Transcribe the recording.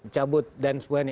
cabut dan sebagainya